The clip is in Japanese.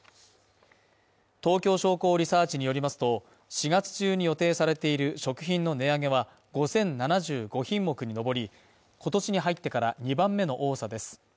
東京商工リサーチによりますと、４月中に予定されている食品の値上げは５０７５品目に上り、今年に入ってから２番目の多さです。